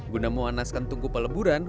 guna memuanaskan tungku peleburan